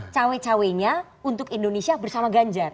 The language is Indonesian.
cawe cawe nya untuk indonesia bersama ganjar